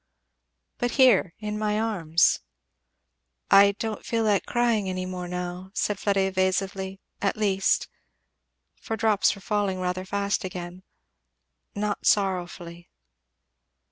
"But here in my arms." "I don't feel like crying any more now," said Fleda evasively; at least." for drops were falling rather fast again, " not sorrowfully."